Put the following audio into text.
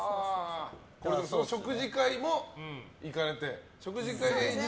食事会も行かれて。